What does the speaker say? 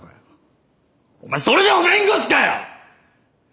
お前それでも弁護士かよ！